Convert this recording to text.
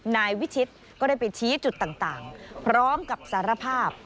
นายวิชิตก็ได้ไปชี้จุดต่างพร้อมกับสารภาพ